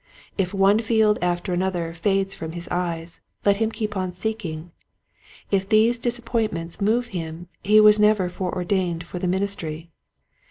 If one field after another fades from his eyes, let him keep on seeking. If these dis appointments move him he was never fore ordained for the ministry.